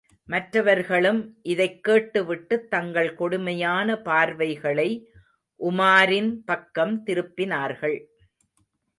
மற்றவர்களும் இதைக் கேட்டுவிட்டுத் தங்கள் கொடுமையான பார்வைகளை உமாரின் பக்கம் திருப்பினார்கள்!